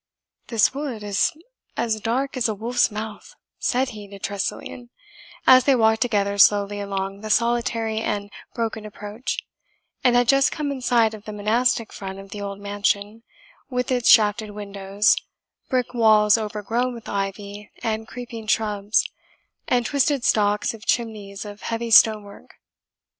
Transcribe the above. "This wood is as dark as a wolf's mouth," said he to Tressilian, as they walked together slowly along the solitary and broken approach, and had just come in sight of the monastic front of the old mansion, with its shafted windows, brick walls overgrown with ivy and creeping shrubs, and twisted stalks of chimneys of heavy stone work.